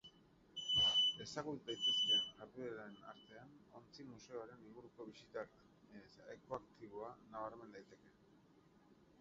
Ezagut daitezkeen jardueren artean, ontzi-museoren inguruko bisita ekoaktiboa nabarmen daiteke.